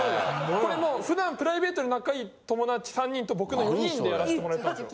これもう普段プライベートで仲いい友達３人と僕の４人でやらせてもらえたんですよ。